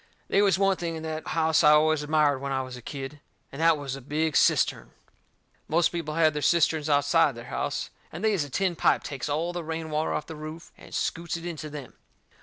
They was one thing in that house I always admired when I was a kid. And that was a big cistern. Most people has their cisterns outside their house, and they is a tin pipe takes all the rain water off the roof and scoots it into them.